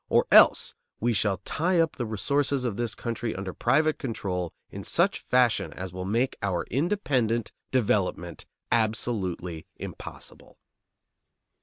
Or else we shall tie up the resources of this country under private control in such fashion as will make our independent development absolutely impossible.